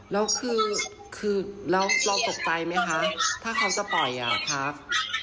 แล้วคือแล้วเราตกใจไหมคะถ้าเขาจะปล่อยอ่ะครับ